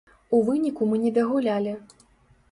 У выніку мы не дагулялі.